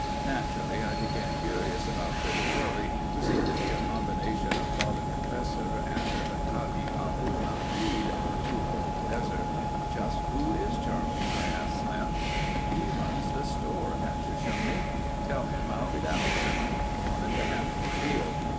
Naturally I became curious about this Charlie, who seemed to be a combination of Father Confessor and the Caliph Haroun Alraschid to all the desert. "Just who is Charlie?" I asked Slim. "He runs the store at Shoshone. Tell him I'll be down soon. I want him to handle my deal."